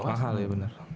mahal ya bener